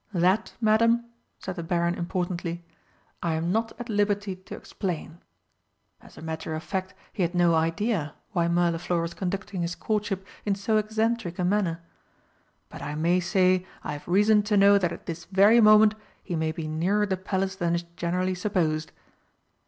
"That, Madam," said the Baron importantly, "I am not at liberty to explain" (as a matter of fact he had no idea why Mirliflor was conducting his courtship in so eccentric a manner), "but I may say I have reason to know that at this very moment he may be nearer the Palace than is generally supposed."